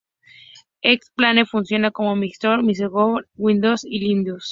X-Plane funciona con Macintosh, Microsoft Windows, y Linux.